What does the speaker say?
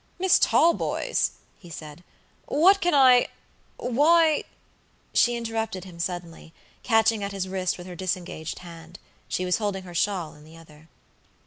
"Miss Talboys," he said, "what can Iwhy" She interrupted him suddenly, catching at his wrist with her disengaged handshe was holding her shawl in the other.